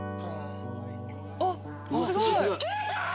あっすごい！